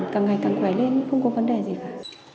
càng ngày càng khỏe lên không có vấn đề gì cả